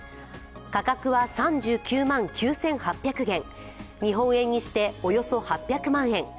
価格は３９万９８００元、日本円にして、およそ８００万円。